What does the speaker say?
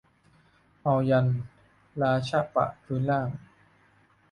เอายันต์ราชะปะพื้นล่าง